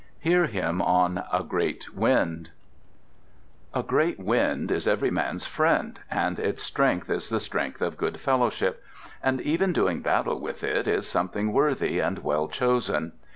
Hear him on "A Great Wind": A great wind is every man's friend, and its strength is the strength of good fellowship; and even doing battle with it is something worthy and well chosen.